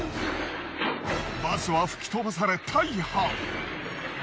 バスは吹き飛ばされ大破。